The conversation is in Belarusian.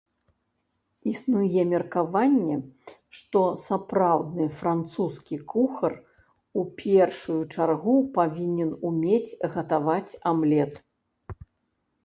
Існуе меркаванне, што сапраўдны французскі кухар у першую чаргу павінен умець гатаваць амлет.